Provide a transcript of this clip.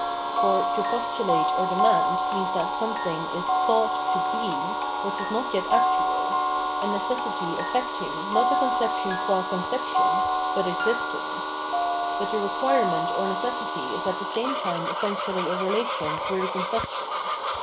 For to postulate or demand means that something is thought to he which is not yet actual, — a necessity affecting, not the conception qm conception, but existence. But the requirement or necessity is at the same time essentially a relation through the conception.